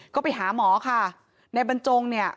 ก็ไปหาหมอค่ะในบรรจงเนี่ย